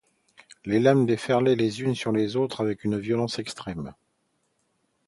Les lames déferlaient les unes sur les autres avec une violence extrême.